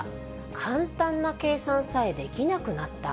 簡単な計算さえできなくなった。